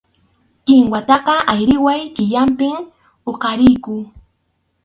Kinwataqa ayriway killapim huqariyku.